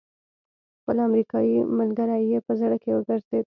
خپل امريکايي ملګری يې په زړه کې وګرځېد.